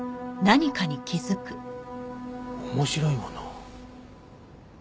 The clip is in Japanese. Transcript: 面白いもの。